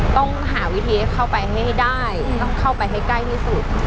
ต้องหาวิธีให้เข้าไปให้ได้ต้องเข้าไปให้ใกล้ที่สุด